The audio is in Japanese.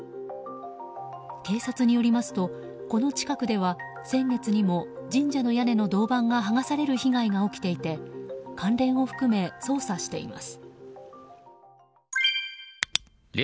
警察によりますとこの近くでは先月にも神社の屋根の銅板が剥がされる被害が起きていて関連を含め捜査しています。